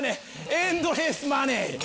エンドレスマネー！